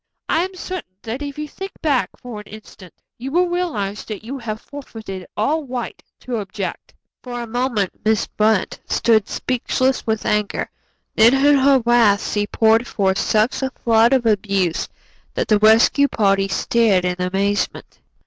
I am certain that if you think back for an instant you will realize that you have forfeited all right to object." For a moment Miss Brant stood speechless with anger, then in her wrath she poured forth such a flood of abuse that the rescue party stared in amazement.